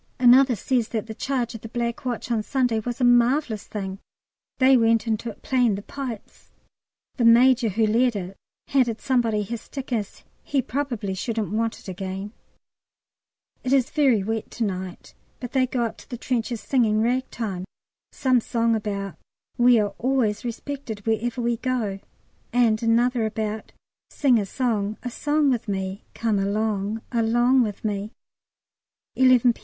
Another says that the charge of the Black Watch on Sunday was a marvellous thing. They went into it playing the pipes! The Major who led it handed somebody his stick, as he "probably shouldn't want it again." It is very wet to night, but they go up to the trenches singing Ragtime, some song about "We are always respected wherever we go." And another about "Sing a song a song with me. Come along along with me." 11 P.